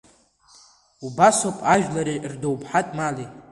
Убасоуп ажәлари рдоуҳатә мали.